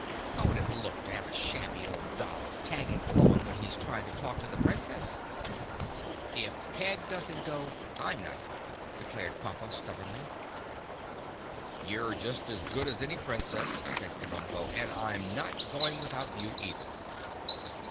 "How would it look to have a shabby old doll tagging along when he's trying to talk to the Princess?" "If Peg doesn't go, I'm not going," declared Pompa stubbornly. "You're just as good as any Princess," said Kabumpo, "and I'm not going without you, either."